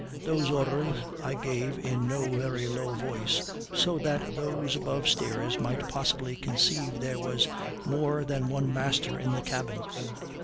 Those orders I gave in no very low voice, so that those above stairs might possibly conceive there was more than one master in the cabin.